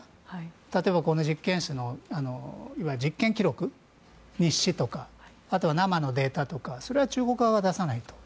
例えば、この実験室の実験記録日誌とか、あとは生のデータとかそれは中国側が出さないと。